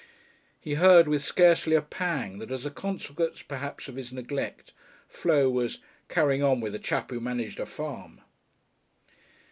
He heard with scarcely a pang that, as a consequence perhaps of his neglect, Flo was "carrying on with a chap who managed a farm."